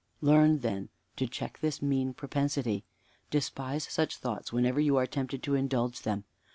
Learn, then, to check this mean propensity. Despise such thoughts whenever you are tempted to indulge them.